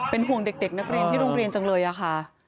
เป็นห่วงเด็กนักเรียนที่โรงเรียนจังเลยค่ะ